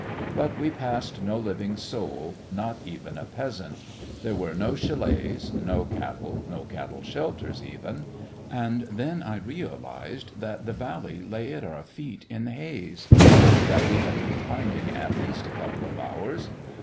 But we passed no living soul, not even a peasant; there were no chalets, no cattle, no cattle shelters even. And then I realised that the valley lay at our feet in haze and that we had been climbing at least a couple of hours.